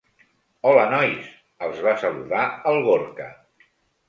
Hola nois —els va saludar el Gorka—.